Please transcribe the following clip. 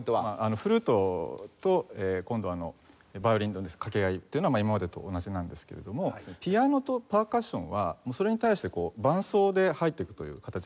フルートと今度ヴァイオリンの掛け合いっていうのは今までと同じなんですけれどもピアノとパーカッションはそれに対して伴奏で入っていくという形にしたんですね。